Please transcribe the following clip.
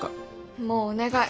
もうお願い